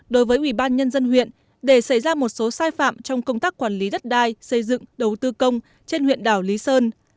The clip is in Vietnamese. đối với ubnd huyện để xảy ra một số sai phạm trong công tác quản lý đất đai xây dựng đầu tư công trên huyện đảo lý sơn